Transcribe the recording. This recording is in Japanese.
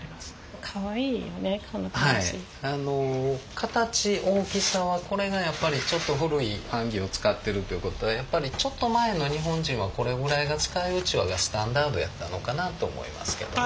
形大きさはこれがやっぱりちょっと古い版木を使ってるっていう事でやっぱりちょっと前の日本人はこれぐらいが使いうちわがスタンダードやったのかなと思いますけどね。